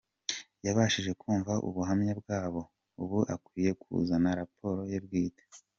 Yabashije kumva ubuhamya bwabo, ubu akwiye kuzana raporo ye bwite.